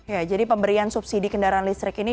ya jadi pemberian subsidi kendaraan listrik ini